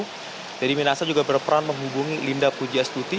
teddy minasa juga berperan menghubungi linda pugias tuti